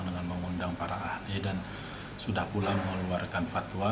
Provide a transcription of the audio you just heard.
dengan mengundang para ahli dan sudah pula mengeluarkan fatwa